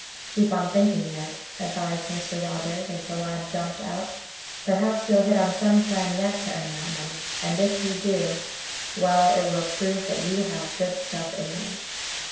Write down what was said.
"Keep on thinking, Ned," advised Mr. Rogers, as the lad jumped out. "Perhaps you'll hit on some plan yet to earn that money, and if you do well, it will prove that you have good stuff in you."